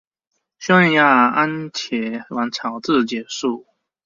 匈牙利安茄王朝自此结束。